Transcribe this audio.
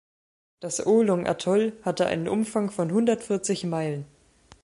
Das Oolong-Atoll hatte einen Umfang von hundertvierzig Meilen.